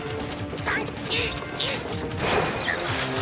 ３２１！